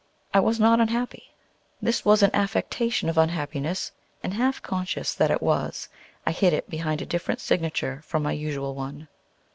I was not unhappy; this was an affectation of unhappiness; and half conscious that it was, I hid it behind a different signature from my usual one.